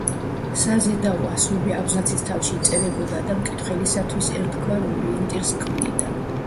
საზედაო ასოები აბზაცის თავში იწერებოდა და მკითხველისათვის ერთგვარ ორიენტირს ქმნიდა.